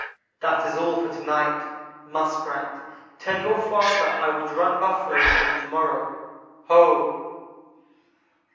"That is all for to night. Muskrat, tell your father I would run Buffalo with him tomorrow Ho!"